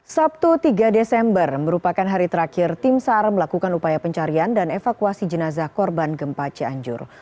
sabtu tiga desember merupakan hari terakhir tim sar melakukan upaya pencarian dan evakuasi jenazah korban gempa cianjur